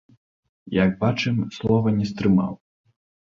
Як бачым, слова не стрымаў.